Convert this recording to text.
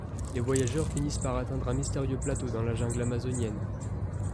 Les voyageurs finissent par atteindre un mystérieux plateau dans la jungle amazonienne.